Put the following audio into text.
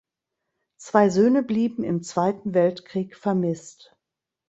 Zwei Söhne blieben im Zweiten Weltkrieg vermisst.